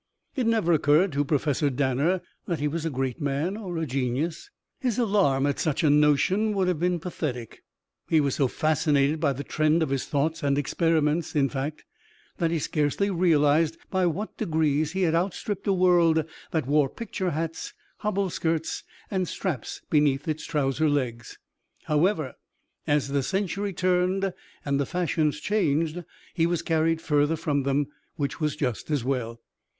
It never occurred to Professor Danner that he was a great man or a genius. His alarm at such a notion would have been pathetic. He was so fascinated by the trend of his thoughts and experiments, in fact, that he scarcely realized by what degrees he had outstripped a world that wore picture hats, hobble skirts, and straps beneath its trouser legs. However, as the century turned and the fashions changed, he was carried further from them, which was just as well.